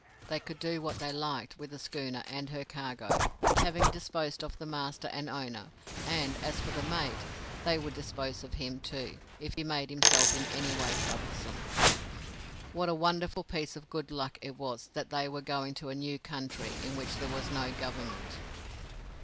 They could do what they liked with the schooner and her cargo, having disposed of the master and owner; and as for the mate, they would dispose of him, too, if he made himself in any way troublesome. What a wonderful piece of good luck it was that they were going to a new country in which there was no government!